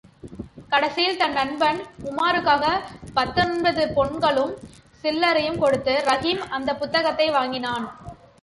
கடைசியில் தன் நண்பன் உமாருக்காக பத்தொன்பது பொன்களும் சில்லறையும் கொடுத்து ரஹீம் அந்தப் புத்தகத்தை வாங்கினான்.